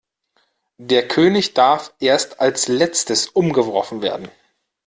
Der König darf erst als letztes umgeworfen werden.